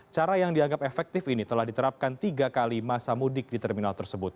cara yang dianggap efektif ini telah diterapkan tiga kali masa mudik di terminal tersebut